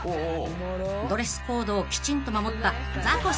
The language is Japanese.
［ドレスコードをきちんと守ったザコシさんが登場］